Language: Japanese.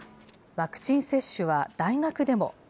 ワクチン接種は大学でも。